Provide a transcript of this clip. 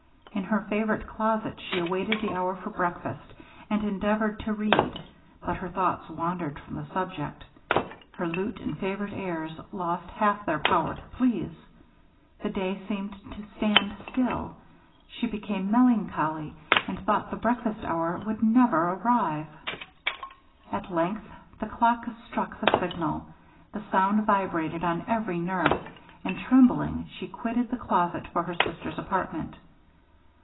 In her favorite closet she awaited the hour of breakfast, and endeavoured to read, but her thoughts wandered from the subject. Her lute and favorite airs lost half their power to please; the day seemed to stand still she became melancholy, and thought the breakfast hour would never arrive. At length the clock struck the signal, the sound vibrated on every nerve, and trembling she quitted the closet for her sister's apartment.